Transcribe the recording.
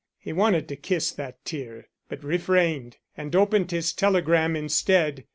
He wanted to kiss that tear, but refrained and opened his telegram instead.